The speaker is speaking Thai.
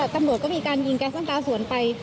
ตำรวจก็มีการยิงแก๊สน้ำตาสวนไป